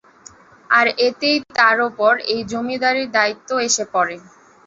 আর এতেই তার উপর এই জমিদারীর দায়িত্ব এসে পড়ে।